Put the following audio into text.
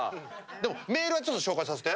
でもメールはちょっと紹介させて。